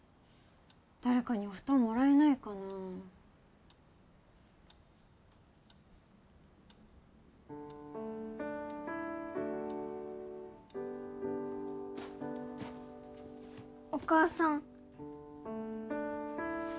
誰かにお布団もらえないかなお母さん